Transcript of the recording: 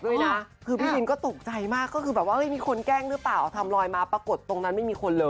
ด้วยนะคือพี่บินก็ตกใจมากก็คือแบบว่ามีคนแกล้งหรือเปล่าเอาทำลอยมาปรากฏตรงนั้นไม่มีคนเลย